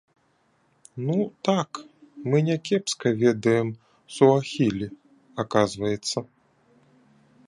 Ну так, мы някепска ведаем суахілі, аказваецца.